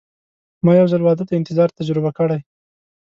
ما یو ځل واده ته انتظار تجربه کړی.